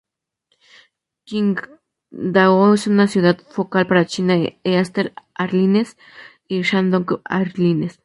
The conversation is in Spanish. Qingdao es una ciudad focal para China Eastern Airlines y Shandong Airlines.